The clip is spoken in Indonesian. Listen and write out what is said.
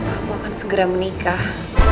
aku akan segera menikah